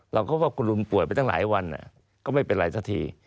เราก็ว่าคุณลุงป่วยไปตั้งหลายวันก็ไม่เป็นไรสักที